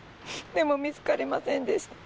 でも見つかりませんでした。